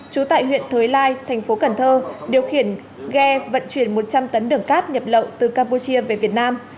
trú tại huyện thới lai thành phố cần thơ điều khiển ghe vận chuyển một trăm linh tấn đường cát nhập lậu từ campuchia về việt nam